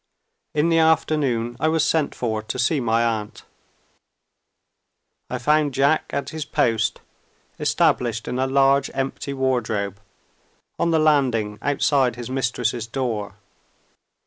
In the afternoon, I was sent for to see my aunt. I found Jack at his post; established in a large empty wardrobe, on the landing outside his mistress's door.